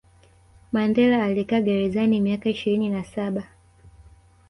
mandela alikaa gerezani miaka ishirini na saba